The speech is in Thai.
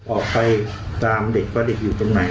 ออกไปตามเด็กว่าเด็กอยู่ตรงไหน